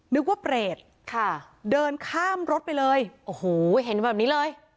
นึกว่าเปรตค่ะเดินข้ามรถไปเลยโอ้โหเห็นแบบนี้เลย